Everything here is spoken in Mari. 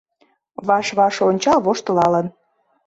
Ваш-ваш ончал воштылалын